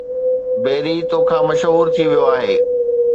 بيري تو کان مشهور ٿي ويو آهي